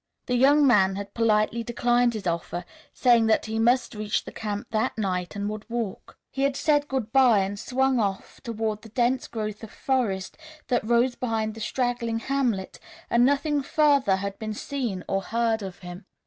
The young man had politely declined his offer, saying that he must reach the camp that night and would walk. He had said good bye and swung off toward the dense growth of forest that rose behind the straggling hamlet, and nothing further had been seen or heard of him.